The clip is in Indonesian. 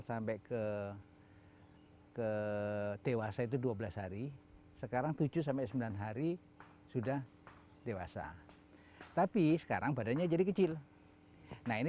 sampai ke ke dewasa itu dua belas hari sekarang tujuh sembilan hari sudah dewasa tapi sekarang badannya jadi kecil nah ini